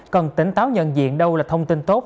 cần tỉnh táo nhận diện đâu là thông tin tốt